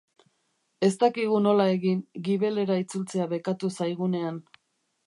Ez dakigu nola egin, gibelera itzultzea bekatu zaigunean.